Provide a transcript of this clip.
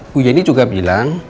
bu yenny juga bilang